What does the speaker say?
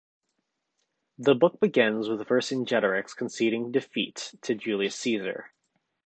The book begins with Vercingetorix conceding defeat to Julius Caesar.